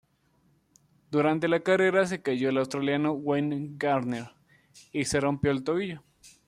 Durante la carrera, se cayó el australiano Wayne Gardner y se rompió el tobillo.